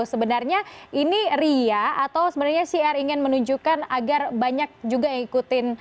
sebenarnya ini ria atau sebenarnya cr ingin menunjukkan agar banyak juga yang ikutin